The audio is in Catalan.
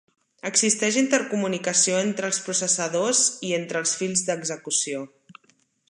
Existeix intercomunicació entre els processadors i entre els fils d'execució.